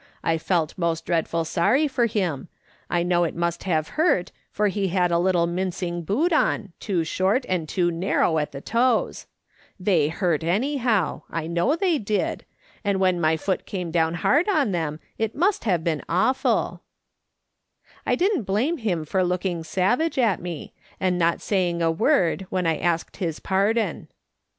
I felt most dreadful sorry i'or him. I know it must have hurt, for he had a little mincing boot on, too short and too narrow at the toes ; they hurt anyhow, I know they did , and when my foot came down hard on them, it must have been awful I "A t/^fi£ AL Wa ys s££s things:^ 1 ^5 "I didn't blame him for looking savage at me, and not saying a word when I asked his pardon.